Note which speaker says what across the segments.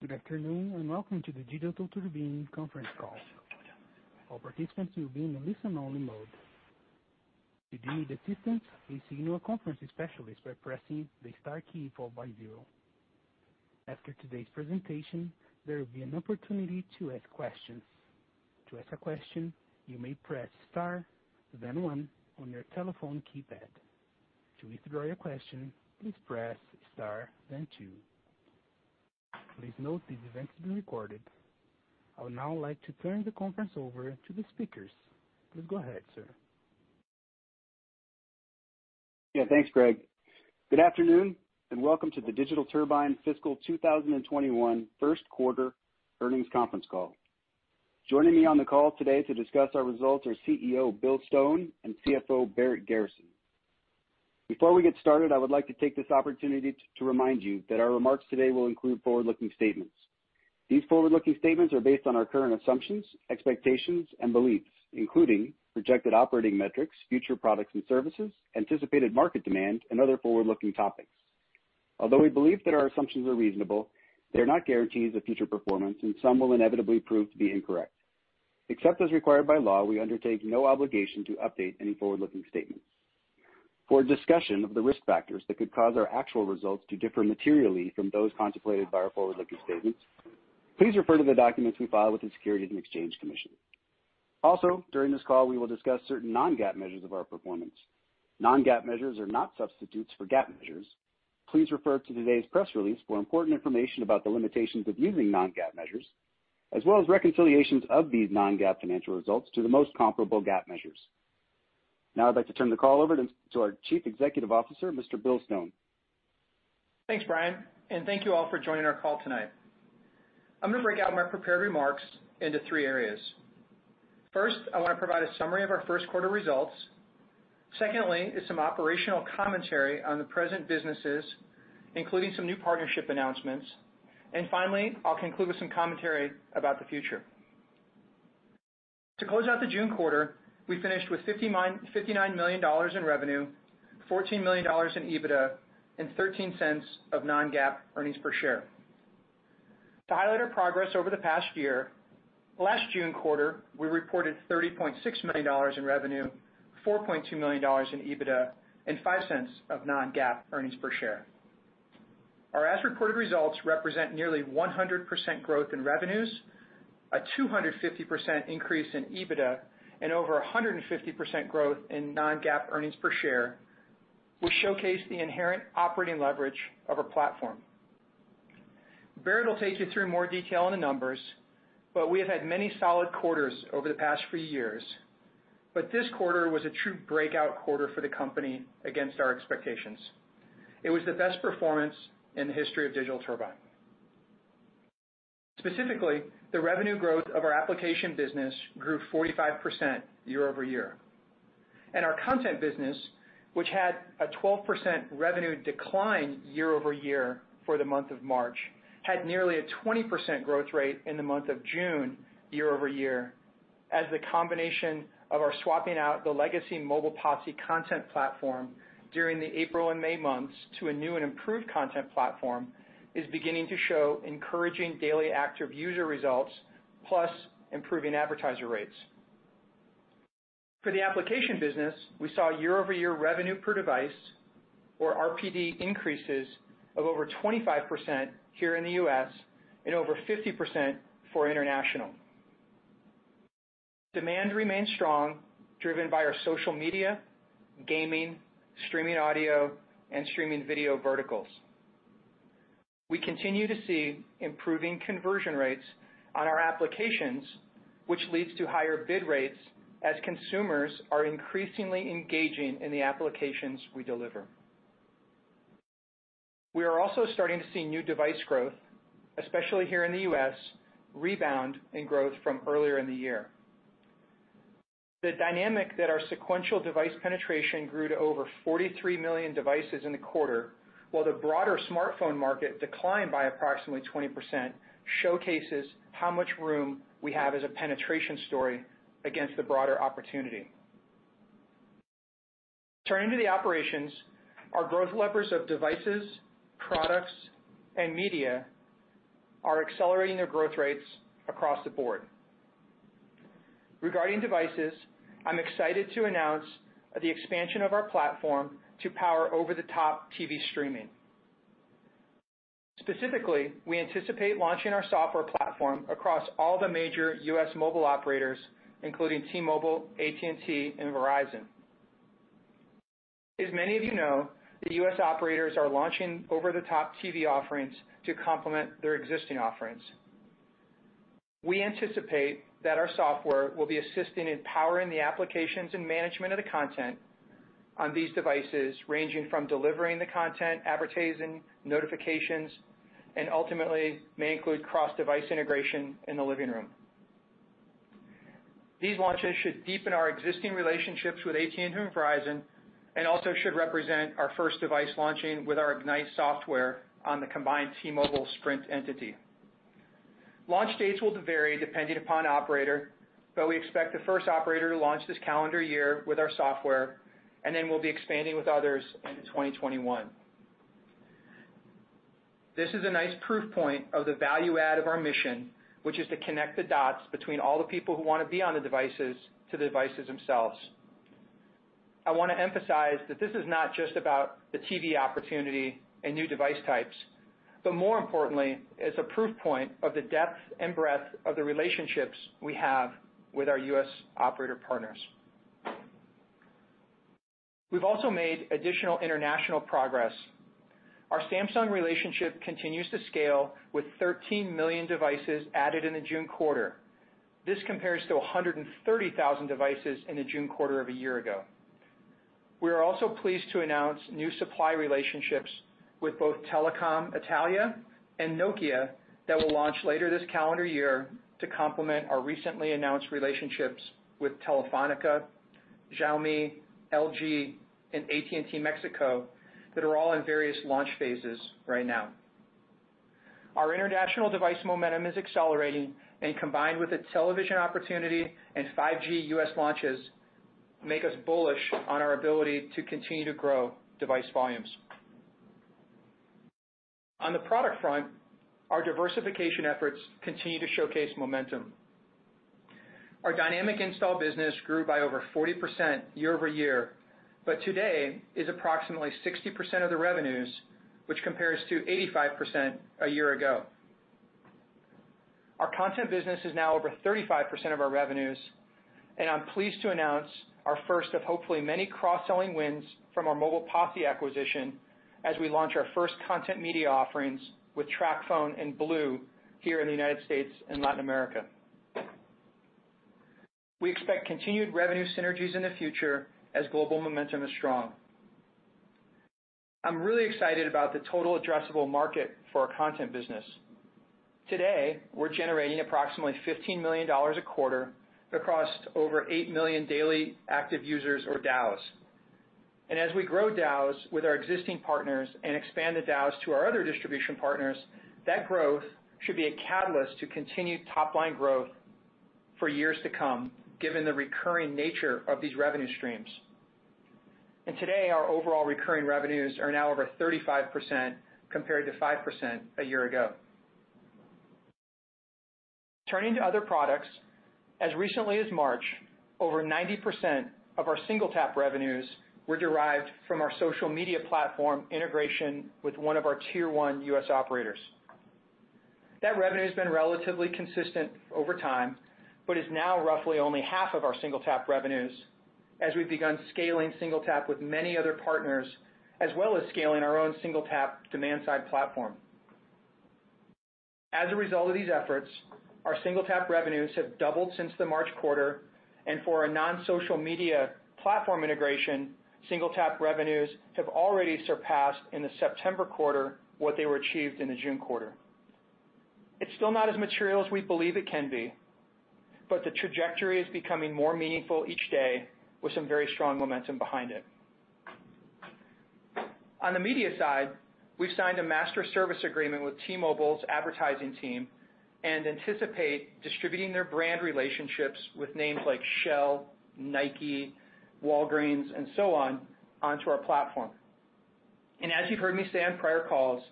Speaker 1: Good afternoon, and welcome to the Digital Turbine conference call. All participants will be in a listen-only mode. If you need assistance, please signal a conference specialist by pressing the *0. After today's presentation, there will be an opportunity to ask questions. To ask a question, you may press *1 on your telephone keypad. To withdraw your question, please press *2. Please note this event is being recorded. I would now like to turn the conference over to the speakers. Please go ahead, sir.
Speaker 2: Yeah. Thanks, Greg. Good afternoon, welcome to the Digital Turbine Fiscal 2021 Q1 Earnings Conference Call. Joining me on the call today to discuss our results are CEO, Bill Stone, and CFO, Barrett Garrison. Before we get started, I would like to take this opportunity to remind you that our remarks today will include forward-looking statements. These forward-looking statements are based on our current assumptions, expectations, and beliefs, including projected operating metrics, future products and services, anticipated market demand, and other forward-looking topics. Although we believe that our assumptions are reasonable, they are not guarantees of future performance, and some will inevitably prove to be incorrect. Except as required by law, we undertake no obligation to update any forward-looking statements. For a discussion of the risk factors that could cause our actual results to differ materially from those contemplated by our forward-looking statements, please refer to the documents we file with the Securities and Exchange Commission. Also, during this call, we will discuss certain non-GAAP measures of our performance. Non-GAAP measures are not substitutes for GAAP measures. Please refer to today's press release for important information about the limitations of using non-GAAP measures, as well as reconciliations of these non-GAAP financial results to the most comparable GAAP measures. Now I'd like to turn the call over to our Chief Executive Officer, Mr. Bill Stone.
Speaker 3: Thanks, Brian, thank you all for joining our call tonight. I'm gonna break out my prepared remarks into three areas. First, I want to provide a summary of our Q1 results. Secondly is some operational commentary on the present businesses, including some new partnership announcements. Finally, I'll conclude with some commentary about the future. To close out the June quarter, we finished with $59 million in revenue, $14 million in EBITDA, and $0.13 of non-GAAP earnings per share. To highlight our progress over the past year, last June quarter, we reported $30.6 million in revenue, $4.2 million in EBITDA, and $0.05 of non-GAAP earnings per share. Our as-reported results represent nearly 100% growth in revenues, a 250% increase in EBITDA, and over 150% growth in non-GAAP earnings per share, which showcase the inherent operating leverage of our platform. Barrett will take you through more detail on the numbers, but we have had many solid quarters over the past few years. This quarter was a true breakout quarter for the company against our expectations. It was the best performance in the history of Digital Turbine. Specifically, the revenue growth of our application business grew 45% year-over-year. Our content business, which had a 12% revenue decline year-over-year for the month of March, had nearly a 20% growth rate in the month of June year-over-year as the combination of our swapping out the legacy Mobile Posse content platform during the April and May months to a new and improved content platform is beginning to show encouraging daily active user results, plus improving advertiser rates. For the application business, we saw year-over-year revenue per device, or RPD, increases of over 25% here in the U.S. and over 50% for international. Demand remains strong, driven by our social media, gaming, streaming audio, and streaming video verticals. We continue to see improving conversion rates on our applications, which leads to higher bid rates as consumers are increasingly engaging in the applications we deliver. We are also starting to see new device growth, especially here in the U.S., rebound in growth from earlier in the year. The dynamic that our sequential device penetration grew to over 43 million devices in the quarter while the broader smartphone market declined by approximately 20%, showcases how much room we have as a penetration story against the broader opportunity. Turning to the operations, our growth levers of devices, products, and media are accelerating their growth rates across the board. Regarding devices, I'm excited to announce the expansion of our platform to power over-the-top TV streaming. Specifically, we anticipate launching our software platform across all the major U.S. mobile operators, including T-Mobile, AT&T, and Verizon. As many of you know, the U.S. operators are launching over-the-top TV offerings to complement their existing offerings. We anticipate that our software will be assisting in powering the applications and management of the content on these devices, ranging from delivering the content, advertising, notifications, and ultimately may include cross-device integration in the living room. These launches should deepen our existing relationships with AT&T and Verizon and also should represent our first device launching with our Ignite software on the combined T-Mobile-Sprint entity. Launch dates will vary depending upon operator, but we expect the first operator to launch this calendar year with our software, and then we'll be expanding with others into 2021. This is a nice proof point of the value add of our mission, which is to connect the dots between all the people who want to be on the devices to the devices themselves. I want to emphasize that this is not just about the TV opportunity and new device types, but more importantly, it's a proof point of the depth and breadth of the relationships we have with our U.S. operator partners. We've also made additional international progress. Our Samsung relationship continues to scale with 13 million devices added in the June quarter. This compares to 130,000 devices in the June quarter of a year ago. We are also pleased to announce new supply relationships with both Telecom Italia and Nokia that will launch later this calendar year to complement our recently announced relationships with Telefónica, Xiaomi, LG, and AT&T Mexico that are all in various launch phases right now. Our international device momentum is accelerating and combined with its television opportunity and 5G U.S. launches, make us bullish on our ability to continue to grow device volumes. On the product front, our diversification efforts continue to showcase momentum. Our dynamic install business grew by over 40% year-over-year, but today is approximately 60% of the revenues, which compares to 85% a year ago. Our content business is now over 35% of our revenues. I'm pleased to announce our first of hopefully many cross-selling wins from our Mobile Posse acquisition as we launch our first content media offerings with TracFone and BLU here in the U.S. and Latin America. We expect continued revenue synergies in the future as global momentum is strong. I'm really excited about the total addressable market for our content business. Today, we're generating approximately $15 million a quarter across over 8 million daily active users or DAUs. As we grow DAUs with our existing partners and expand the DAUs to our other distribution partners, that growth should be a catalyst to continued top-line growth for years to come, given the recurring nature of these revenue streams. Today, our overall recurring revenues are now over 35% compared to 5% a year ago. Turning to other products, as recently as March, over 90% of our SingleTap revenues were derived from our social media platform integration with one of our Tier 1 U.S. operators. That revenue has been relatively consistent over time, but is now roughly only half of our SingleTap revenues as we've begun scaling SingleTap with many other partners, as well as scaling our own SingleTap demand side platform. As a result of these efforts, our SingleTap revenues have doubled since the March quarter, and for a non-social media platform integration, SingleTap revenues have already surpassed in the September quarter what they were achieved in the June quarter. It's still not as material as we believe it can be, but the trajectory is becoming more meaningful each day with some very strong momentum behind it. On the media side, we've signed a master service agreement with T-Mobile's advertising team and anticipate distributing their brand relationships with names like Shell, Nike, Walgreens, and so on, onto our platform. As you've heard me say on prior calls,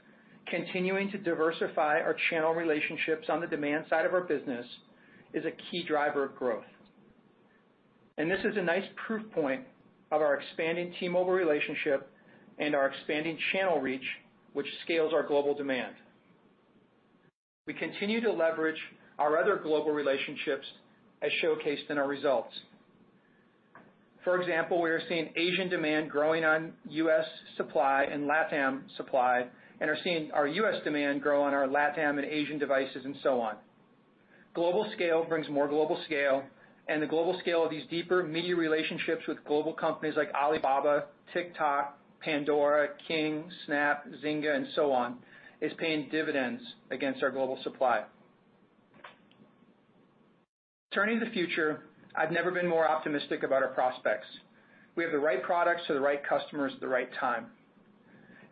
Speaker 3: continuing to diversify our channel relationships on the demand side of our business is a key driver of growth. This is a nice proof point of our expanding T-Mobile relationship and our expanding channel reach, which scales our global demand. We continue to leverage our other global relationships as showcased in our results. For example, we are seeing Asian demand growing on U.S. supply and LATAM supply and are seeing our U.S. demand grow on our LATAM and Asian devices and so on. Global scale brings more global scale, and the global scale of these deeper media relationships with global companies like Alibaba, TikTok, Pandora, King, Snap, Zynga, and so on, is paying dividends against our global supply. Turning to the future, I've never been more optimistic about our prospects. We have the right products for the right customers at the right time.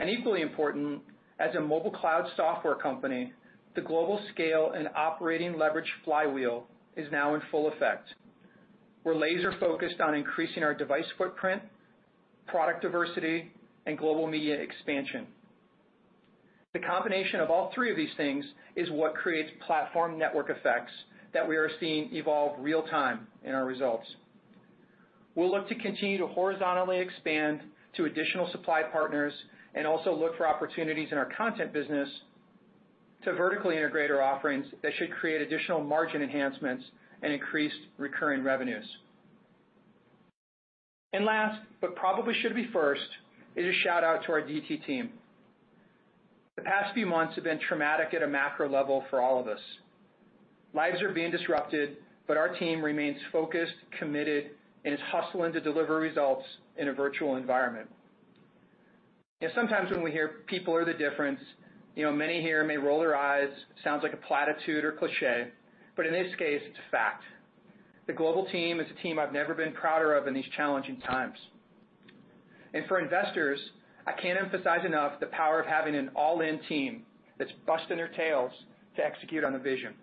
Speaker 3: Equally important, as a mobile cloud software company, the global scale and operating leverage flywheel is now in full effect. We're laser-focused on increasing our device footprint, product diversity, and global media expansion. The combination of all three of these things is what creates platform network effects that we are seeing evolve real time in our results. We'll look to continue to horizontally expand to additional supply partners and also look for opportunities in our content business to vertically integrate our offerings that should create additional margin enhancements and increased recurring revenues. Last, but probably should be first, is a shout-out to our DT team. The past few months have been traumatic at a macro level for all of us. Lives are being disrupted, but our team remains focused, committed, and is hustling to deliver results in a virtual environment. Sometimes when we hear people are the difference, many here may roll their eyes, sounds like a platitude or cliché, but in this case, it's a fact. The global team is a team I've never been prouder of in these challenging times. For investors, I can't emphasize enough the power of having an all-in team that's busting their tails to execute on a vision.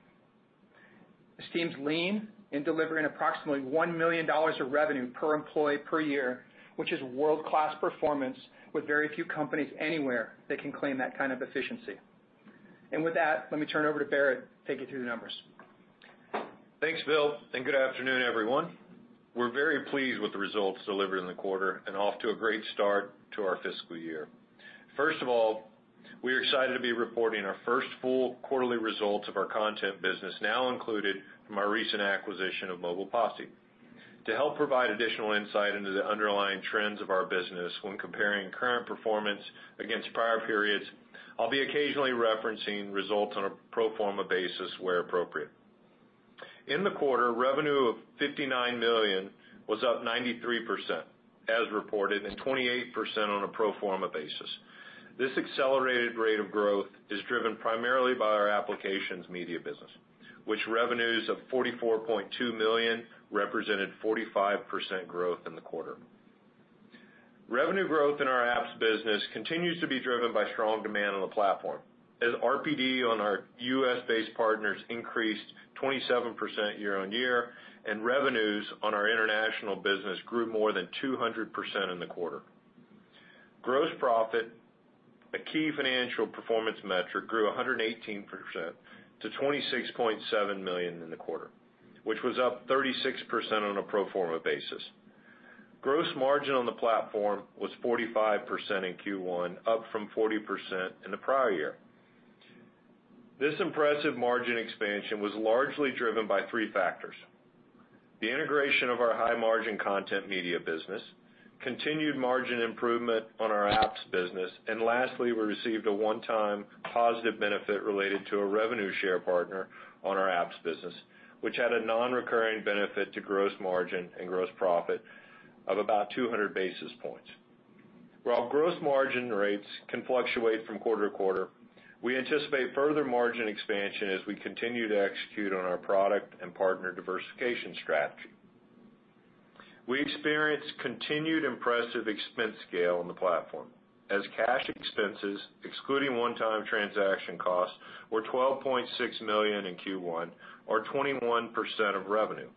Speaker 3: This team's lean in delivering approximately $1 million of revenue per employee per year, which is world-class performance with very few companies anywhere that can claim that kind of efficiency. With that, let me turn it over to Barrett to take you through the numbers.
Speaker 4: Thanks, Bill, and good afternoon, everyone. We're very pleased with the results delivered in the quarter and off to a great start to our fiscal year. First of all, we're excited to be reporting our first full quarterly results of our content business, now included from our recent acquisition of Mobile Posse. To help provide additional insight into the underlying trends of our business when comparing current performance against prior periods, I'll be occasionally referencing results on a pro forma basis where appropriate. In the quarter, revenue of $59 million was up 93% as reported, and 28% on a pro forma basis. This accelerated rate of growth is driven primarily by our applications media business, which revenues of $44.2 million represented 45% growth in the quarter. Revenue growth in our apps business continues to be driven by strong demand on the platform, as RPD on our U.S.-based partners increased 27% year-on-year, and revenues on our international business grew more than 200% in the quarter. Gross profit, a key financial performance metric, grew 118% to $26.7 million in the quarter, which was up 36% on a pro forma basis. Gross margin on the platform was 45% in Q1, up from 40% in the prior year. This impressive margin expansion was largely driven by three factors, the integration of our high-margin content media business, continued margin improvement on our apps business, and lastly, we received a one-time positive benefit related to a revenue share partner on our apps business, which had a non-recurring benefit to gross margin and gross profit of about 200 basis points. While gross margin rates can fluctuate from quarter-to-quarter, we anticipate further margin expansion as we continue to execute on our product and partner diversification strategy. We experienced continued impressive expense scale on the platform as cash expenses, excluding one-time transaction costs, were $12.6 million in Q1 or 21% of revenue,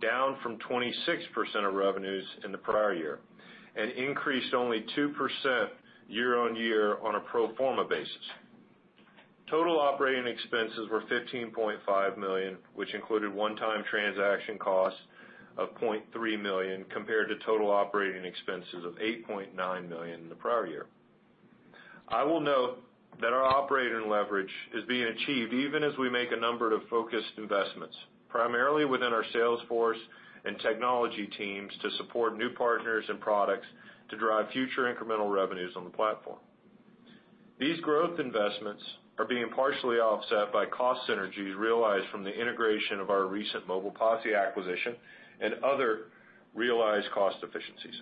Speaker 4: down from 26% of revenues in the prior year, and increased only 2% year-on-year on a pro forma basis. Total operating expenses were $15.5 million, which included one-time transaction costs of $0.3 million compared to total operating expenses of $8.9 million in the prior year. I will note that our operating leverage is being achieved even as we make a number of focused investments, primarily within our sales force and technology teams, to support new partners and products to drive future incremental revenues on the platform. These growth investments are being partially offset by cost synergies realized from the integration of our recent Mobile Posse acquisition and other realized cost efficiencies.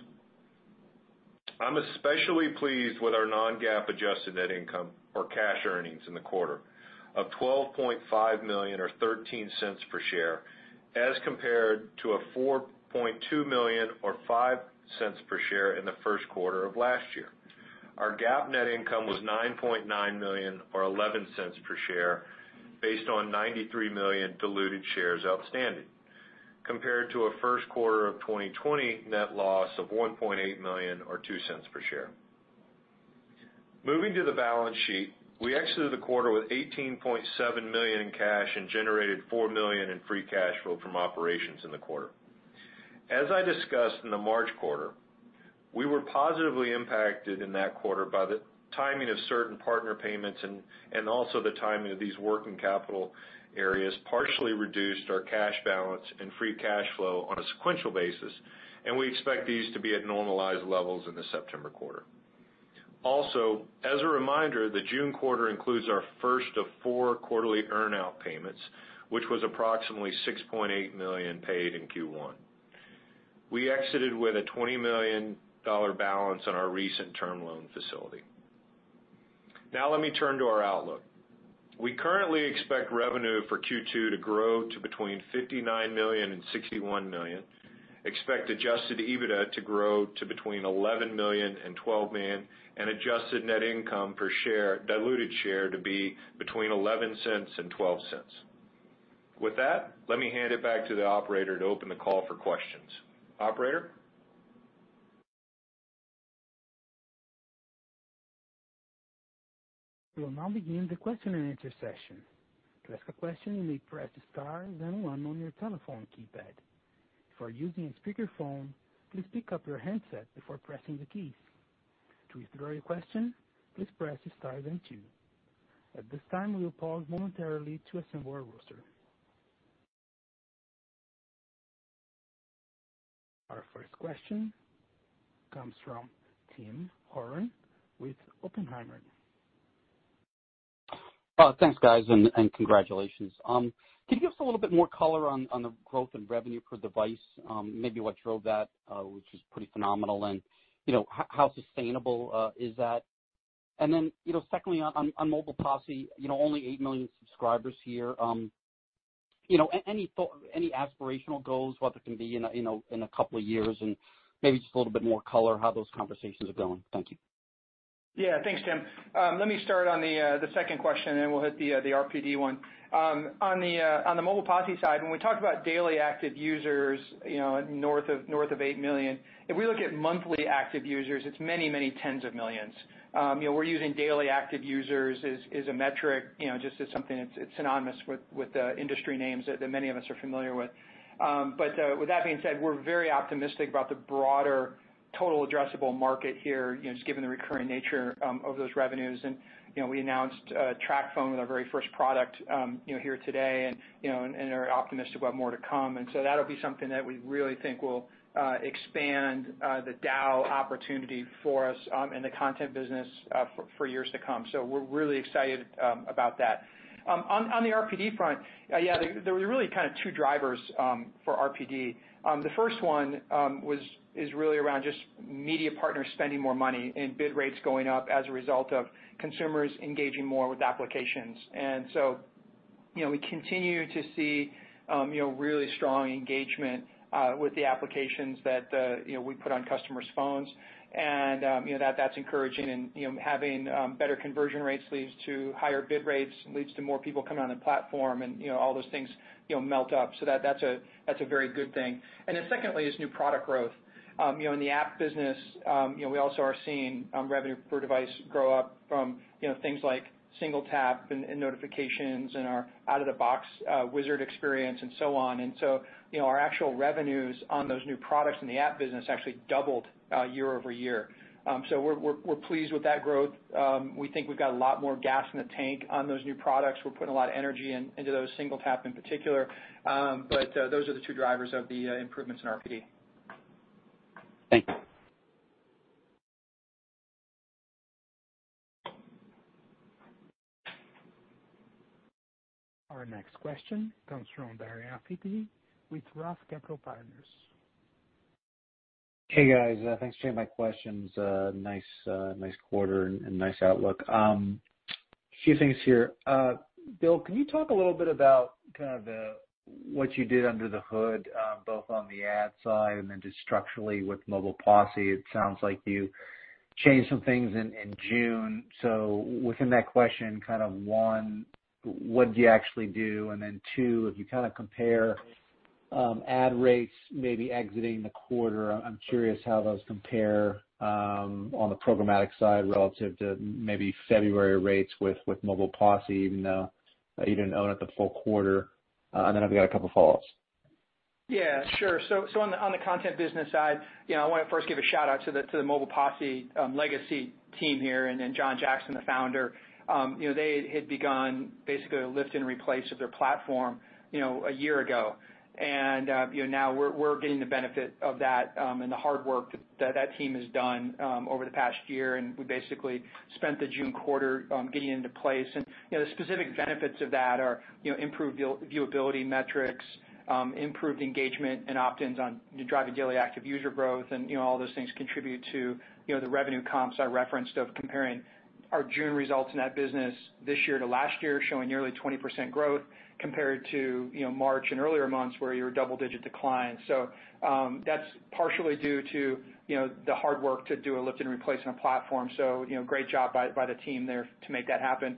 Speaker 4: I'm especially pleased with our non-GAAP adjusted net income or cash earnings in the quarter of $12.5 million or $0.13 per share as compared to a $4.2 million or $0.05 per share in the Q1 of last year. Our GAAP net income was $9.9 million or $0.11 per share based on 93 million diluted shares outstanding compared to a Q1 of 2020 net loss of $1.8 million or $0.02 per share. Moving to the balance sheet, we exited the quarter with $18.7 million in cash and generated $4 million in free cash flow from operations in the quarter. As I discussed in the March quarter, we were positively impacted in that quarter by the timing of certain partner payments and also the timing of these working capital areas partially reduced our cash balance and free cash flow on a sequential basis, and we expect these to be at normalized levels in the September quarter. Also, as a reminder, the June quarter includes our first of four quarterly earn-out payments, which was approximately $6.8 million paid in Q1. We exited with a $20 million balance on our recent term loan facility. Now let me turn to our outlook. We currently expect revenue for Q2 to grow to between $59 million and $61 million, expect adjusted EBITDA to grow to between $11 million and $12 million, and adjusted net income per share, diluted share, to be between $0.11 and $0.12. With that, let me hand it back to the operator to open the call for questions. Operator?
Speaker 1: We will now begin the question-and-answer session. To ask a question, you may press *1 on your telephone keypad. If you are using a speakerphone, please pick up your handset before pressing the keys. To withdraw your question, please press *2. At this time, we will pause momentarily to assemble our roster. Our first question comes from Tim Horan with Oppenheimer.
Speaker 5: Thanks, guys, and congratulations. Can you give us a little bit more color on the growth in revenue per device, maybe what drove that, which is pretty phenomenal, and how sustainable is that? Secondly, on Mobile Posse, only 8 million subscribers here. Any aspirational goals, whether it can be in a couple of years and maybe just a little bit more color how those conversations are going? Thank you.
Speaker 3: Yeah. Thanks, Tim. Let me start on the second question, then we'll hit the RPD one. On the Mobile Posse side, when we talk about daily active users north of 8 million, if we look at monthly active users, it's many, many tens of millions. We're using daily active users as a metric, just as something that's synonymous with the industry names that many of us are familiar with. With that being said, we're very optimistic about the broader total addressable market here, just given the recurring nature of those revenues. We announced TracFone with our very first product here today, and are optimistic about more to come. That'll be something that we really think will expand the DAU opportunity for us in the content business for years to come. We're really excited about that. On the RPD front, yeah, there was really kind of two drivers for RPD. The first one is really around just media partners spending more money and bid rates going up as a result of consumers engaging more with applications. We continue to see really strong engagement with the applications that we put on customers' phones. That's encouraging and having better conversion rates leads to higher bid rates, leads to more people coming on the platform, and all those things melt up. That's a very good thing. Secondly is new product growth. In the app business, we also are seeing revenue per device grow up from things like SingleTap and notifications and our out-of-the-box wizard experience and so on. Our actual revenues on those new products in the app business actually doubled year-over-year. We're pleased with that growth. We think we've got a lot more gas in the tank on those new products. We're putting a lot of energy into those, SingleTap in particular. Those are the two drivers of the improvements in RPD.
Speaker 5: Thank you.
Speaker 1: Our next question comes from Darren Aftahi with Roth Capital Partners.
Speaker 6: Hey, guys. Thanks for taking my questions. Nice quarter and nice outlook. A few things here. Bill, can you talk a little bit about kind of what you did under the hood, both on the ad side and then just structurally with Mobile Posse? It sounds like you changed some things in June. Within that question, kind of one, what'd you actually do? Two, if you compare ad rates maybe exiting the quarter, I'm curious how those compare on the programmatic side relative to maybe February rates with Mobile Posse, even though you didn't own it the full quarter. I've got a couple of follow-ups.
Speaker 3: Yeah, sure. On the content business side, I want to first give a shout-out to the Mobile Posse legacy team here and then Jon Jackson, the founder. They had begun basically a lift and replace of their platform a year ago. Now we're getting the benefit of that and the hard work that team has done over the past year, and we basically spent the June quarter getting into place. The specific benefits of that are improved viewability metrics, improved engagement and opt-ins on driving daily active user growth, and all those things contribute to the revenue comps I referenced of comparing our June results in that business this year to last year, showing nearly 20% growth compared to March and earlier months where you were double-digit decline. That's partially due to the hard work to do a lift and replace on a platform. Great job by the team there to make that happen.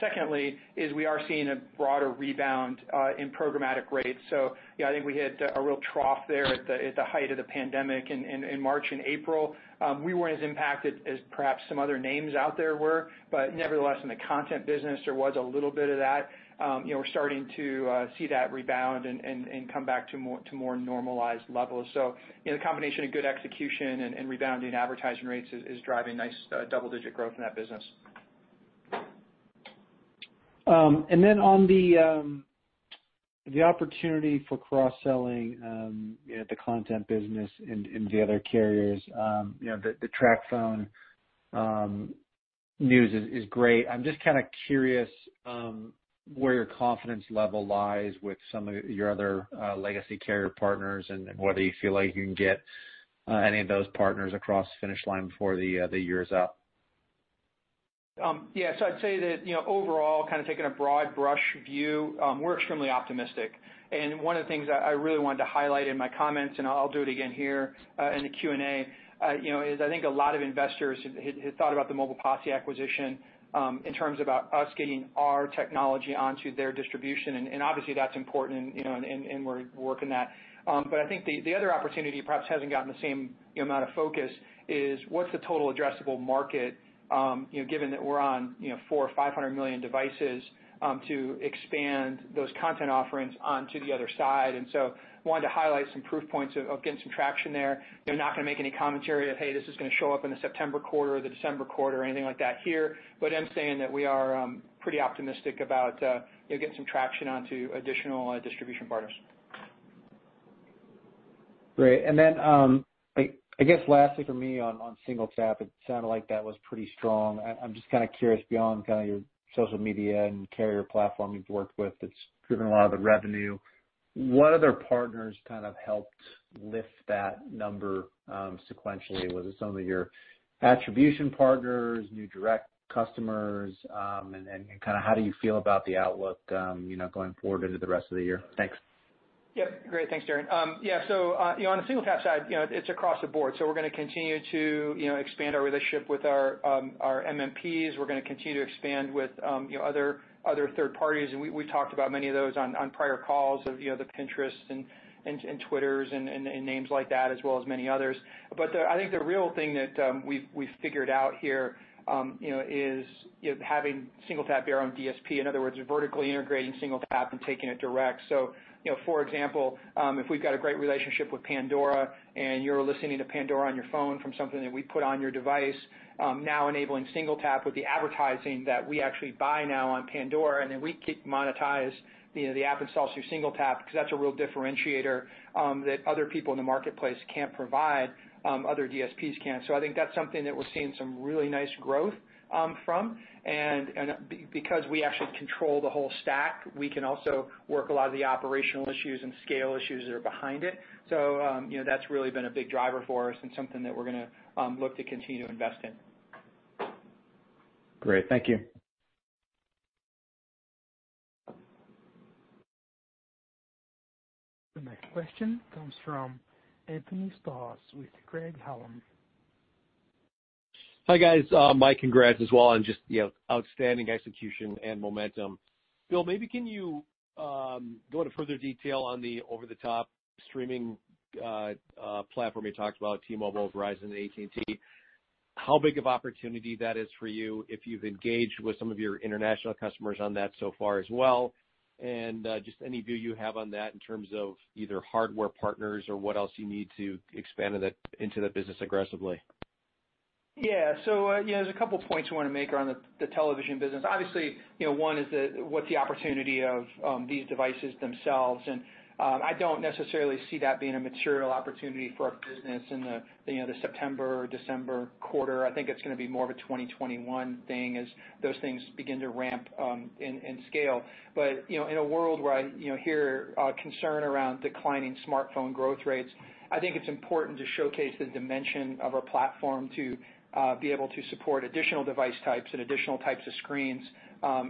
Speaker 3: Secondly, is we are seeing a broader rebound in programmatic rates. I think we hit a real trough there at the height of the pandemic in March and April. We weren't as impacted as perhaps some other names out there were. Nevertheless, in the content business, there was a little bit of that. We're starting to see that rebound and come back to more normalized levels. The combination of good execution and rebounding advertising rates is driving nice double-digit growth in that business.
Speaker 6: On the opportunity for cross-selling the content business and the other carriers. The TracFone news is great. I'm just kind of curious where your confidence level lies with some of your other legacy carrier partners and whether you feel like you can get any of those partners across the finish line before the year is up.
Speaker 3: Yeah. I'd say that overall, kind of taking a broad brush view, we're extremely optimistic. One of the things I really wanted to highlight in my comments, and I'll do it again here in the Q&A, is I think a lot of investors had thought about the Mobile Posse acquisition in terms about us getting our technology onto their distribution. I think the other opportunity perhaps hasn't gotten the same amount of focus is what's the total addressable market, given that we're on 400 million or 500 million devices, to expand those content offerings onto the other side. I wanted to highlight some proof points of getting some traction there. Not going to make any commentary of, hey, this is going to show up in the September quarter or the December quarter or anything like that here. I'm saying that we are pretty optimistic about getting some traction onto additional distribution partners.
Speaker 6: Great. I guess lastly from me on SingleTap, it sounded like that was pretty strong. I'm just kind of curious beyond kind of your social media and carrier platform you've worked with that's driven a lot of the revenue. What other partners kind of helped lift that number sequentially? Was it some of your attribution partners, new direct customers? How do you feel about the outlook going forward into the rest of the year? Thanks.
Speaker 3: Yep. Great. Thanks, Darren. Yeah. On the SingleTap side, it's across the board. We're gonna continue to expand our relationship with our MMPs. We're gonna continue to expand with other third parties. We talked about many of those on prior calls of the Pinterest and Twitter and names like that, as well as many others. I think the real thing that we've figured out here is having SingleTap bear on DSP. In other words, vertically integrating SingleTap and taking it direct. For example, if we've got a great relationship with Pandora, and you're listening to Pandora on your phone from something that we put on your device, now enabling SingleTap with the advertising that we actually buy now on Pandora, and then we can monetize the app installs through SingleTap, because that's a real differentiator that other people in the marketplace can't provide, other DSPs can't. I think that's something that we're seeing some really nice growth from. Because we actually control the whole stack, we can also work a lot of the operational issues and scale issues that are behind it. That's really been a big driver for us and something that we're gonna look to continue to invest in.
Speaker 6: Great. Thank you.
Speaker 1: The next question comes from Anthony Stoss with Craig-Hallum.
Speaker 7: Hi, guys. My congrats as well on just outstanding execution and momentum. Bill, maybe can you go into further detail on the over-the-top streaming platform you talked about, T-Mobile, Verizon, and AT&T? How big of opportunity that is for you if you've engaged with some of your international customers on that so far as well? Just any view you have on that in terms of either hardware partners or what else you need to expand into that business aggressively?
Speaker 3: Yeah. There's a couple points I want to make on the television business. One is what's the opportunity of these devices themselves? I don't necessarily see that being a material opportunity for our business in the September or December quarter. I think it's gonna be more of a 2021 thing as those things begin to ramp and scale. In a world where I hear concern around declining smartphone growth rates, I think it's important to showcase the dimension of our platform to be able to support additional device types and additional types of screens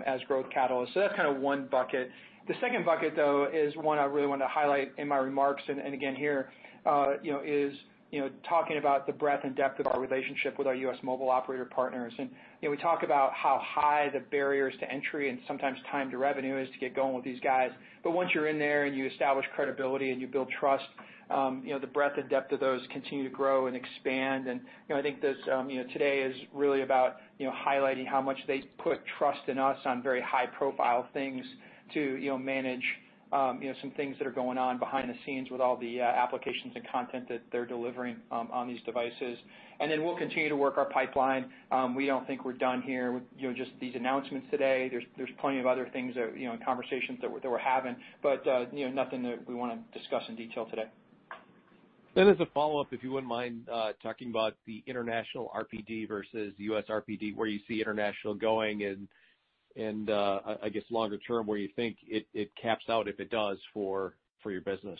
Speaker 3: as growth catalysts. That's one bucket. The second bucket, though, is one I really wanted to highlight in my remarks, and again, here, is talking about the breadth and depth of our relationship with our U.S. mobile operator partners. We talk about how high the barriers to entry and sometimes time to revenue is to get going with these guys. Once you're in there and you establish credibility and you build trust, the breadth and depth of those continue to grow and expand. I think today is really about highlighting how much they put trust in us on very high-profile things to manage some things that are going on behind the scenes with all the applications and content that they're delivering on these devices. Then we'll continue to work our pipeline. We don't think we're done here with just these announcements today. There's plenty of other things and conversations that we're having, but nothing that we want to discuss in detail today.
Speaker 7: As a follow-up, if you wouldn't mind talking about the international RPD versus U.S. RPD, where you see international going and, I guess, longer term, where you think it caps out, if it does, for your business.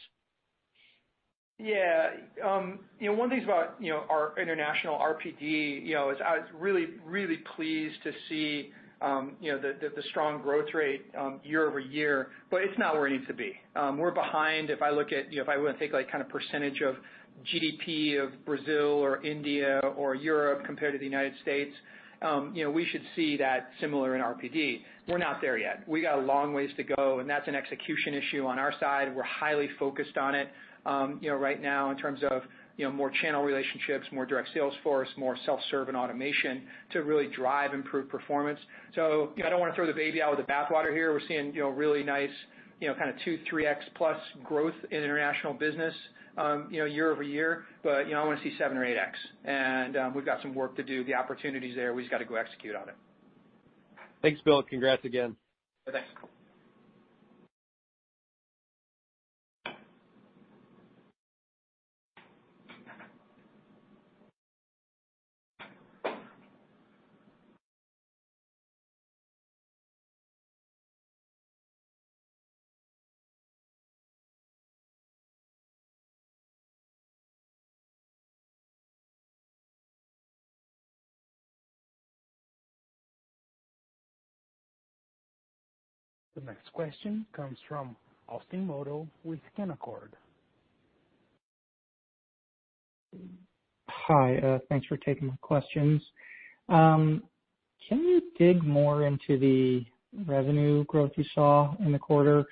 Speaker 3: Yeah. One of the things about our international RPD is I was really pleased to see the strong growth rate year-over-year, but it's not where it needs to be. We're behind if I want to take percentage of GDP of Brazil or India or Europe compared to the United States. We should see that similar in RPD. We're not there yet. We got a long ways to go, and that's an execution issue on our side. We're highly focused on it right now in terms of more channel relationships, more direct sales force, more self-serve and automation to really drive improved performance. I don't want to throw the baby out with the bathwater here. We're seeing really nice 2x, 3x plus growth in international business year-over-year, but I want to see 7x or 8x. We've got some work to do. The opportunity's there. We just got to go execute on it.
Speaker 7: Thanks, Bill. Congrats again.
Speaker 3: Thanks.
Speaker 1: The next question comes from Austin Moldow with Canaccord Genuity.
Speaker 8: Hi. Thanks for taking the questions. Can you dig more into the revenue growth you saw in the quarter?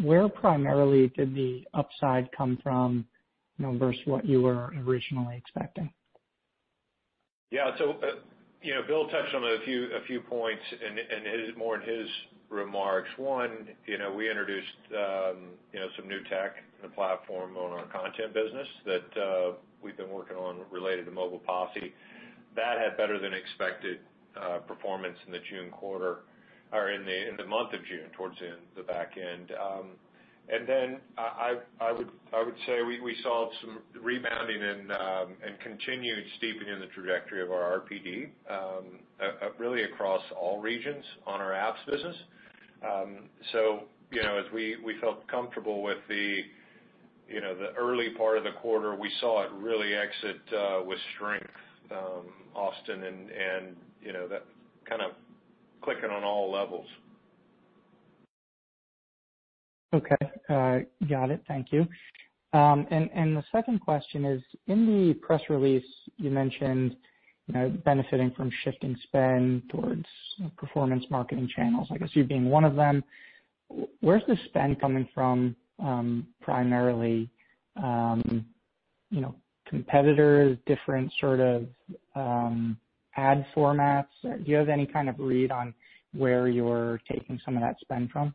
Speaker 8: Where primarily did the upside come from versus what you were originally expecting?
Speaker 4: Bill touched on a few points more in his remarks. One, we introduced some new tech in the platform on our content business that we've been working on related to Mobile Posse. That had better than expected performance in the June quarter or in the month of June, towards the back end. I would say we saw some rebounding and continued steepening in the trajectory of our RPD really across all regions on our apps business. As we felt comfortable with the early part of the quarter, we saw it really exit with strength, Austin, and that kind of clicking on all levels.
Speaker 8: Okay. Got it. Thank you. The second question is, in the press release, you mentioned benefiting from shifting spend towards performance marketing channels, I guess you being one of them. Where's the spend coming from primarily? Competitors, different sort of ad formats? Do you have any kind of read on where you're taking some of that spend from?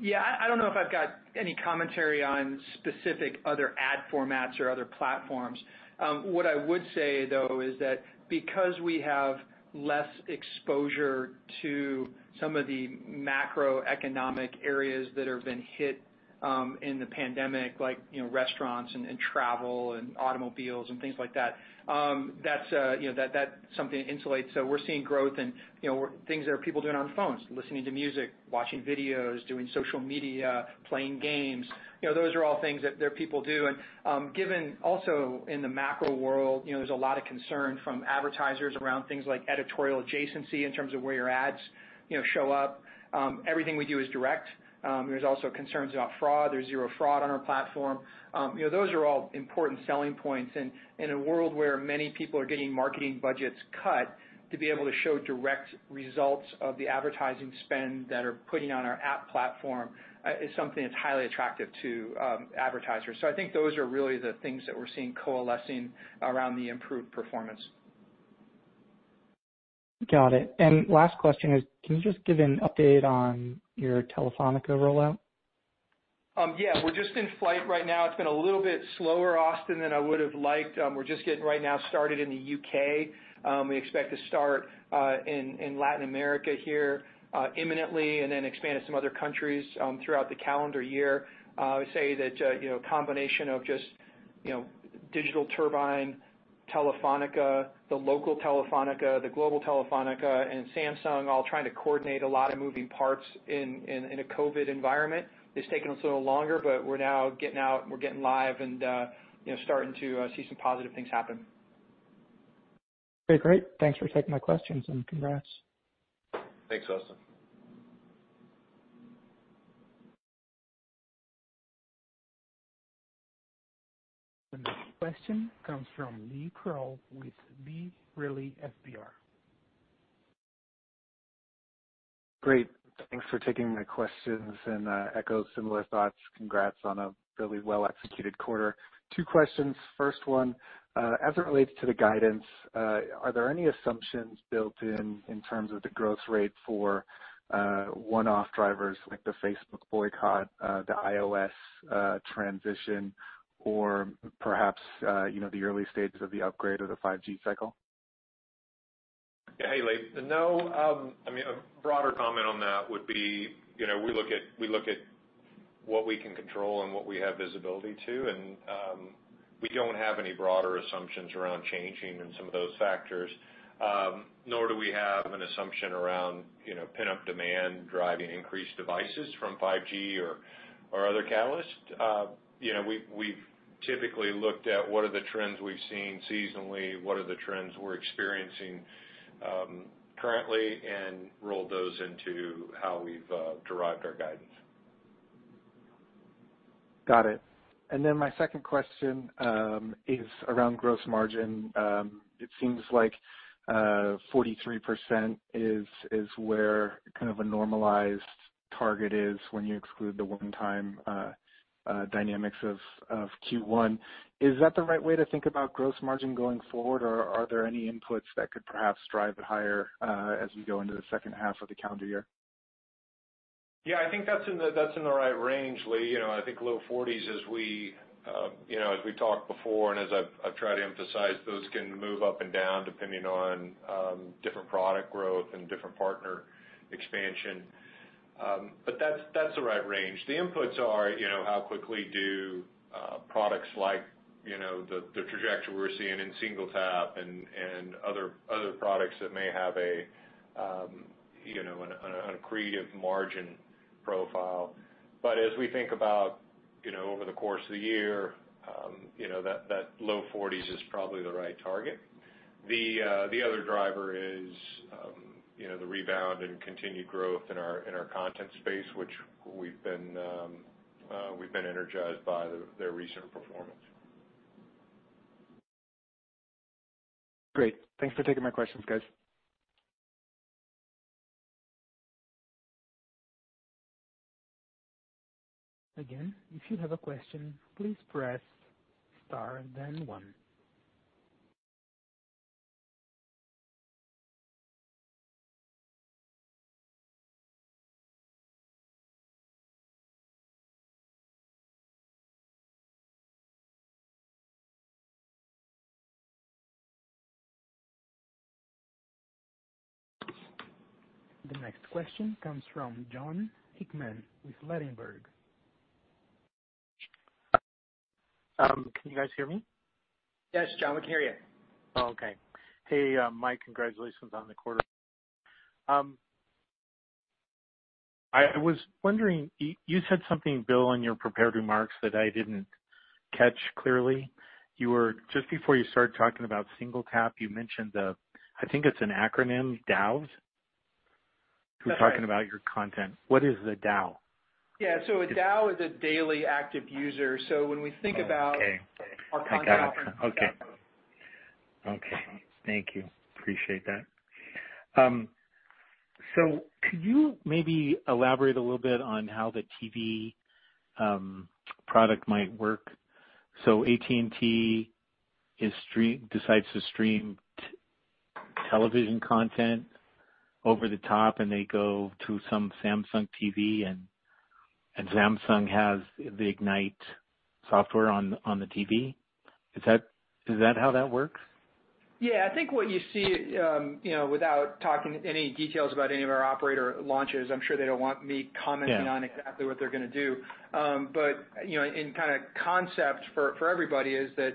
Speaker 3: Yeah. I don't know if I've got any commentary on specific other ad formats or other platforms. What I would say, though, is that because we have less exposure to some of the macroeconomic areas that have been hit in the pandemic, like restaurants and travel and automobiles and things like that insulates. We're seeing growth in things that are people doing on phones, listening to music, watching videos, doing social media, playing games. Those are all things that people do. Given also in the macro world, there's a lot of concern from advertisers around things like editorial adjacency in terms of where your ads show up. Everything we do is direct. There's also concerns about fraud. There's zero fraud on our platform. Those are all important selling points. In a world where many people are getting marketing budgets cut, to be able to show direct results of the advertising spend that are putting on our app platform is something that's highly attractive to advertisers. I think those are really the things that we're seeing coalescing around the improved performance.
Speaker 8: Last question is, can you just give an update on your Telefónica rollout?
Speaker 3: Yeah. We're just in flight right now. It's been a little bit slower, Austin, than I would've liked. We're just getting right now started in the U.K. We expect to start in Latin America here imminently and then expand to some other countries throughout the calendar year. I would say that a combination of just Digital Turbine, Telefónica, the local Telefónica, the global Telefónica, and Samsung all trying to coordinate a lot of moving parts in a COVID environment, it's taken us a little longer, but we're now getting out, we're getting live, and starting to see some positive things happen.
Speaker 8: Okay, great. Thanks for taking my questions and congrats.
Speaker 4: Thanks, Austin.
Speaker 1: The next question comes from Lee Krowl with B. Riley FBR.
Speaker 9: Great. Thanks for taking my questions, and echo similar thoughts. Congrats on a really well-executed quarter. Two questions. First one, as it relates to the guidance, are there any assumptions built in in terms of the growth rate for one-off drivers like the Facebook boycott, the iOS transition, or perhaps the early stages of the upgrade of the 5G cycle?
Speaker 4: Hey, Lee. No. A broader comment on that would be, we look at what we can control and what we have visibility to. We don't have any broader assumptions around changing in some of those factors, nor do we have an assumption around pent-up demand driving increased devices from 5G or other catalysts. We've typically looked at what are the trends we've seen seasonally, what are the trends we're experiencing currently, and rolled those into how we've derived our guidance.
Speaker 9: Got it. My second question is around gross margin. It seems like 43% is where kind of a normalized target is when you exclude the one-time dynamics of Q1. Is that the right way to think about gross margin going forward, or are there any inputs that could perhaps drive it higher as we go into the second half of the calendar year?
Speaker 4: Yeah, I think that's in the right range, Lee. I think low 40s, as we talked before and as I've tried to emphasize, those can move up and down depending on different product growth and different partner expansion. That's the right range. The inputs are how quickly do products like the trajectory we're seeing in SingleTap and other products that may have an accretive margin profile. As we think about over the course of the year, that low 40s is probably the right target. The other driver is the rebound and continued growth in our content space, which we've been energized by their recent performance.
Speaker 9: Great. Thanks for taking my questions, guys.
Speaker 1: Again, if you have a question, please press *1. The next question comes from Jon Hickman with Ladenburg.
Speaker 10: Can you guys hear me?
Speaker 3: Yes, Jon, we can hear you.
Speaker 10: Okay. Hey, Bill, congratulations on the quarter. I was wondering, you said something, Bill, in your prepared remarks that I didn't catch clearly. Just before you started talking about SingleTap, you mentioned the, I think it's an acronym, DAUs?
Speaker 3: That's right.
Speaker 10: You were talking about your content. What is the DAU?
Speaker 3: Yeah. A DAU is a daily active user.
Speaker 10: Oh, okay.
Speaker 3: Our content offering.
Speaker 10: I got it. Okay. Thank you. Appreciate that. Could you maybe elaborate a little bit on how the TV product might work? AT&T decides to stream television content over-the-top, and they go to some Samsung TV, and Samsung has the Ignite software on the TV. Is that how that works?
Speaker 3: Yeah. I think what you see, without talking any details about any of our operator launches, I'm sure they don't want me commenting on exactly what they're gonna do. In concept for everybody is that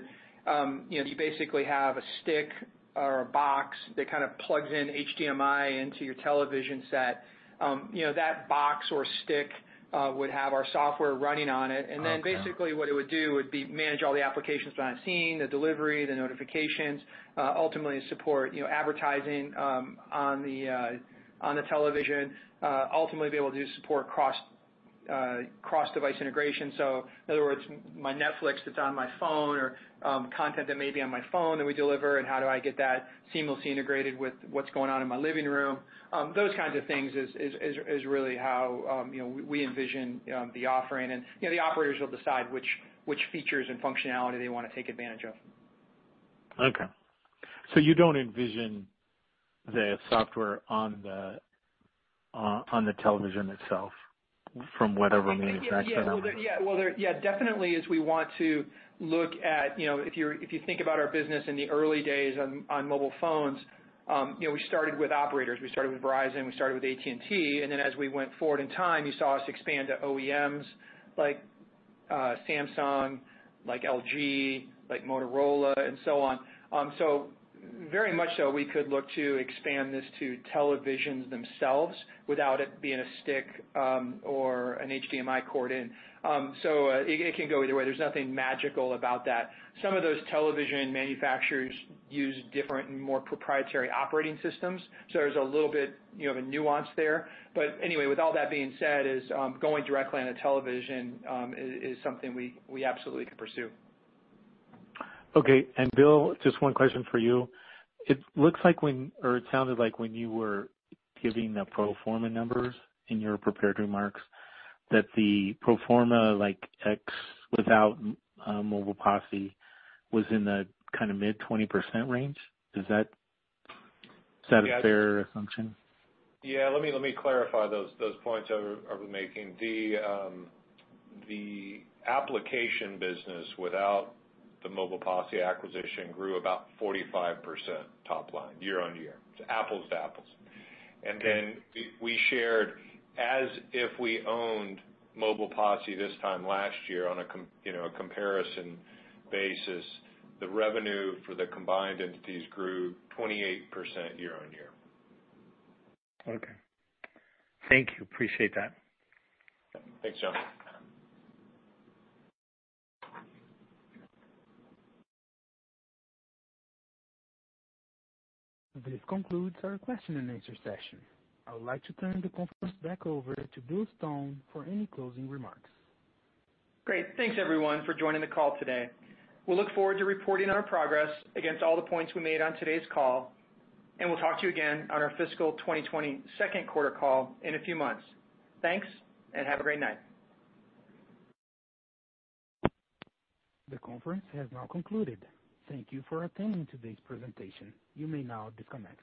Speaker 3: you basically have a stick or a box that plugs in HDMI into your television set. That box or stick would have our software running on it. Basically what it would do would be manage all the applications that I'm seeing, the delivery, the notifications, ultimately support advertising on the television. Ultimately, be able to support cross-device integration. In other words, my Netflix that's on my phone or content that may be on my phone that we deliver, and how do I get that seamlessly integrated with what's going on in my living room? Those kinds of things is really how we envision the offering. The operators will decide which features and functionality they want to take advantage of.
Speaker 10: Okay. You don't envision the software on the television itself from whatever manufacturer?
Speaker 3: Yeah. Definitely, as we want to look at. If you think about our business in the early days on mobile phones, we started with operators. We started with Verizon, we started with AT&T. Then as we went forward in time, you saw us expand to OEMs like Samsung, like LG, like Motorola, and so on. Very much so we could look to expand this to televisions themselves without it being a stick or an HDMI cord in. It can go either way. There's nothing magical about that. Some of those television manufacturers use different, more proprietary operating systems. There's a little bit of a nuance there. Anyway, with all that being said, is going directly on a television is something we absolutely could pursue.
Speaker 10: Okay. Barrett, just one question for you. It sounded like when you were giving the pro forma numbers in your prepared remarks, that the pro forma, like X without Mobile Posse, was in the mid 20% range. Is that a fair assumption?
Speaker 4: Yeah. Let me clarify those points I was making. The application business without the Mobile Posse acquisition grew about 45% top line, year-on-year. It's apples to apples. We shared as if we owned Mobile Posse this time last year on a comparison basis. The revenue for the combined entities grew 28% year-on-year.
Speaker 10: Okay. Thank you. Appreciate that.
Speaker 4: Thanks, Jon.
Speaker 1: This concludes our question-and-answer session. I would like to turn the conference back over to Bill Stone for any closing remarks.
Speaker 3: Great. Thanks, everyone, for joining the call today. We look forward to reporting on our progress against all the points we made on today's call, and we'll talk to you again on our fiscal 2021 Q2 call in a few months. Thanks, and have a great night.
Speaker 1: The conference has now concluded. Thank you for attending today's presentation. You may now disconnect.